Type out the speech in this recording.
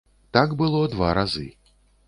Так было два разы.